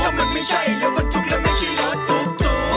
ก็มันไม่ใช่รถประทุกข์และไม่ใช่รถตุ๊กตุ๊ก